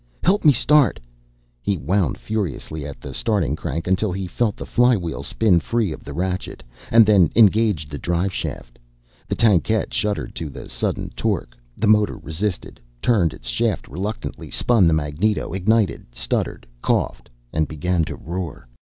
"Help me start." He wound furiously at the starting crank until he felt the flywheel spin free of the ratchet, and then engaged the driveshaft. The tankette shuddered to the sudden torque. The motor resisted, turned its shaft reluctantly, spun the magneto, ignited, stuttered, coughed, and began to roar.